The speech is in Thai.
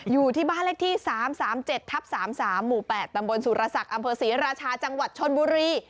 อยู่ที่บ้านเล็กที่๓๓๗๓๓หมู่แปดตำบลสุรษักริงอำเภษีรชาจังหวัดชนบุรี